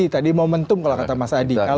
tadi momentum kalau kata mas adi